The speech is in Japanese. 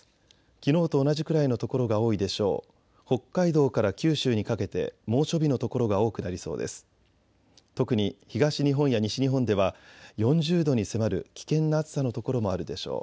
きのうと同じくらいの所が多いでしょう。